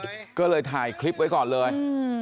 แล้วก็เจอด้านในแบบนี้เออมันก็ไข่แสง